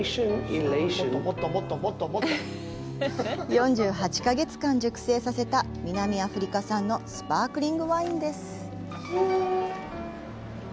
４８か月間熟成した南アフリカ産のスパークリングワインです。